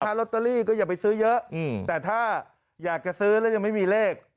ลอตเตอรี่ก็อย่าไปซื้อเยอะแต่ถ้าอยากจะซื้อแล้วยังไม่มีเลข